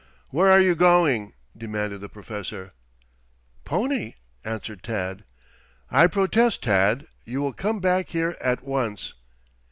"Where are you going?" demanded the Professor. "Pony," answered Tad. "I protest, Tad. You will come back here at once."